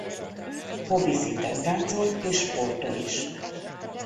Hobbi szinten táncol és sportol is.